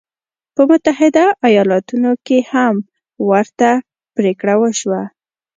په متحده ایالتونو کې هم ورته پرېکړه وشوه.